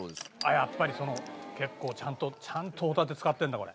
やっぱり結構ちゃんとちゃんとホタテ使ってるんだこれ。